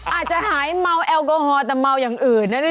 อาจจะหายเมาแอลกอฮอล์แต่เมาอย่างอื่นนะเนี่ย